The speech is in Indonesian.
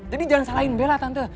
jadi jangan salahkan bella tante